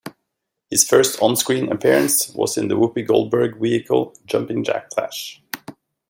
His first on screen appearance was in the Whoopi Goldberg vehicle "Jumpin Jack Flash".